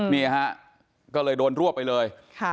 นี่ฮะก็เลยโดนรวบไปเลย